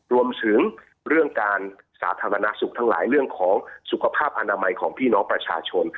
รวมถึงเรื่องการสาธารณสุขทั้งหลายเรื่องของสุขภาพอนามัยของพี่น้องประชาชน